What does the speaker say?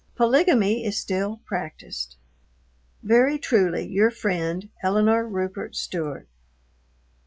Polygamy is still practiced. Very truly your friend, ELINORE RUPERT STEWART.